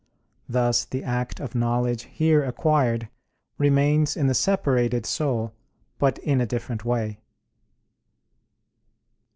Thus the act of knowledge here acquired remains in the separated soul, but in a different way.